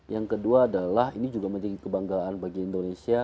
yang kedua adalah ini juga menjadi kebanggaan bagi indonesia